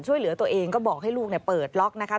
ช่วยเหลือตัวเองก็บอกให้ลูกเปิดล็อกนะคะ